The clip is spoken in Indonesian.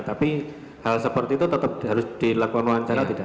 tapi hal seperti itu tetap harus dilakukan wawancara tidak